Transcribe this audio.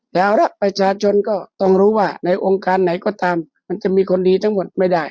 แต่เอาละประชาชนก็ต้องรู้ว่าในองค์การไหนก็ตามมันจะมีคนดีทั้งหมดไม่ได้